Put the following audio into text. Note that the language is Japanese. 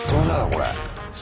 これ。